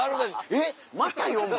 「えっまた４番？